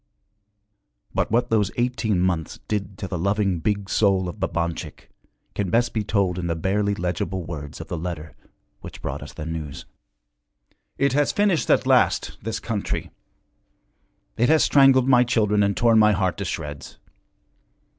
But what those eighteen months did to the loving big soul of Babanchik can best be told in the barely legible words of the letter which brought us the news. 'It has finished us at last, this country! It has strangled my children and torn my heart to shreds!